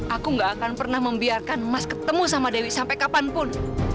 aku gak akan pernah membiarkan mas ketemu sama dewi sampai kapanpun